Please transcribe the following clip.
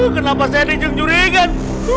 kenapa saya dijangguri kan